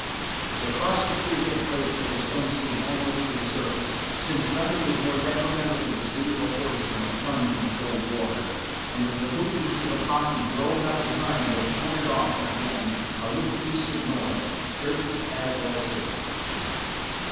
They crossed the creek at a place where the stones came almost to the surface, since nothing is more detrimental to the speed of a horse than a plunge in cold water, and with the hoofbeats of the posse growing up behind they cantered off again a little cast of north, straight for Caswell City.